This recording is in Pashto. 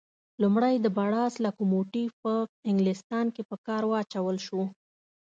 لومړی د بړاس لکوموټیف په انګلیستان کې په کار واچول شو.